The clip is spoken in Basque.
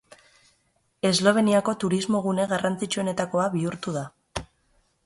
Esloveniako turismogune garrantzitsuenetakoa bihurtu da.